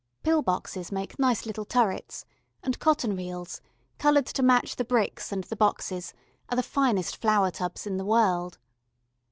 Pill boxes make nice little turrets, and cotton reels, coloured to match the bricks and the boxes, are the finest flower tubs in the world.